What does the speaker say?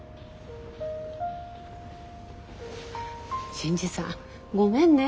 新次さんごめんね。